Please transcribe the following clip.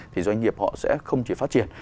thì doanh nghiệp họ sẽ không chỉ phát triển